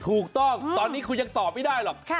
ถูกต้องตอนนี้คุณยังตอบไม่ได้หรอก